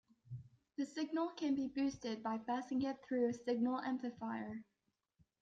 The signal can be boosted by passing it through a signal amplifier.